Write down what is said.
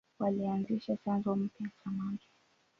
Walianzisha chanzo mpya cha maji.